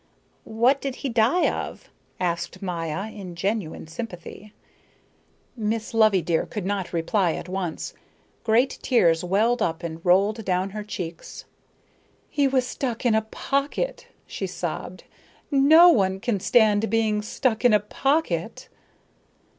"What did he die of?" asked Maya, in genuine sympathy. Miss Loveydear could not reply at once. Great tears welled up and rolled down her cheeks. "He was stuck in a pocket," she sobbed. "No one can stand being stuck in a pocket."